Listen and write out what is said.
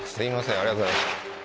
ありがとうございます